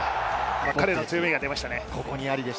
彼の強みが出ました。